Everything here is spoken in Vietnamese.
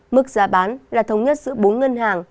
mức giá bán là thống nhất giữa bốn ngân hàng